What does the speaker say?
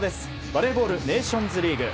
バレーボールネーションズリーグ。